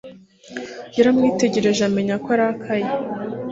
yaramwitegereje amenya ko arakaye